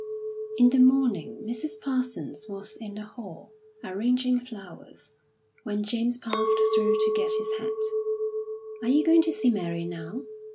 IX In the morning Mrs. Parsons was in the hall, arranging flowers, when James passed through to get his hat. "Are you going to see Mary now?"